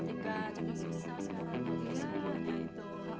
tiga ceknya susah sekarang